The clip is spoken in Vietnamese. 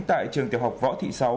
tại trường tiểu học võ thị sáu